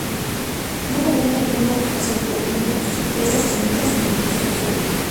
No comprende el fondo oceánico profundo con sus crestas oceánicas ni su subsuelo.